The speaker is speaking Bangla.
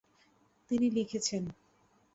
তিনি লিখেছেনঃ